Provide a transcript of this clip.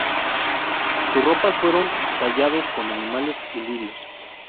Sus ropas fueron talladas con animales y lirios.